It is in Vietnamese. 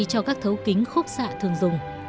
cho các thấu kính khúc xạ thường dùng